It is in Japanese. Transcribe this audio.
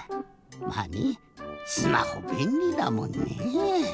まあねぇスマホべんりだもんね。